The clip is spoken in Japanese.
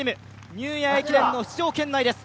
ニューイヤー駅伝の出場圏内です。